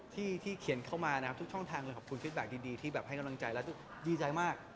ที่เขียนเข้ามานะครับทุกช่องทางเลยขอบคุณฟิตแกคดีที่แบบให้กำลังใจแล้วดีใจมาก